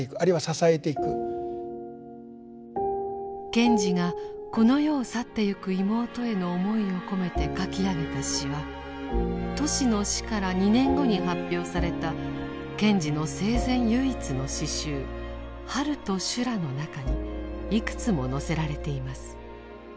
賢治がこの世を去ってゆく妹への思いを込めて書き上げた詩はトシの死から２年後に発表された賢治の生前唯一の詩集「春と修羅」の中にいくつも載せられています。